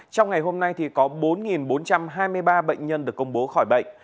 trong ngày hôm nay có bốn bốn trăm hai mươi ba bệnh nhân được công bố khỏi bệnh